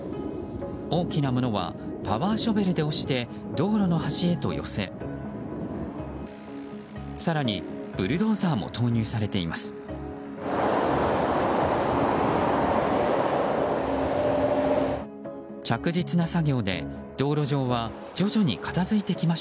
大きなものはパワーショベルで押して道路の端へと寄せ更にブルドーザーも投入されています。